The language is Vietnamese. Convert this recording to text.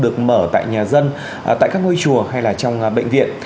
ở tại nhà dân tại các ngôi chùa hay là trong bệnh viện